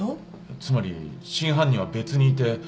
つまり真犯人は別にいて